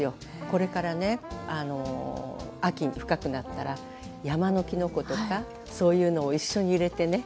これからね秋深くなったら山のきのことかそういうのを一緒に入れてね